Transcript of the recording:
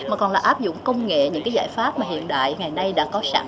mà còn là áp dụng công nghệ những giải pháp hiện đại ngày nay đã có sẵn